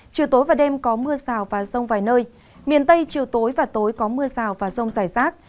chiều tối và đêm có mưa rào và rông vài nơi miền tây chiều tối và tối có mưa rào và rông rải rác